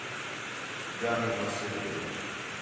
ڳِیا ہی مسجد ݙے